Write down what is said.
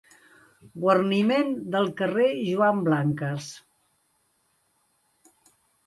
Guarniment del carrer Joan Blanques.